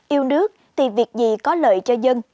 yêu nước thì việc gì có lợi cho dân